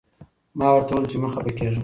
ما ورته وویل چې مه خفه کېږه.